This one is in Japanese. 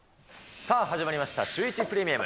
さあ、始まりました、シューイチプレミアム。